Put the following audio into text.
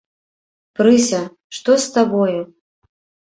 Прыся, што з табой?